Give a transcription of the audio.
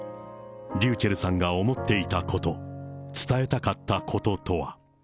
ｒｙｕｃｈｅｌｌさんが思っていたこと、伝えたかったこととは。